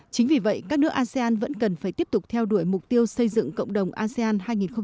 chính vì vậy các nước asean vẫn cần phải tiếp tục theo đuổi mục tiêu xây dựng cộng đồng asean hai nghìn hai mươi năm